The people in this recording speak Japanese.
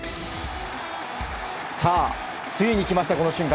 ついに来ました、この瞬間。